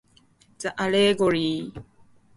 The allegory, at its core, is simple.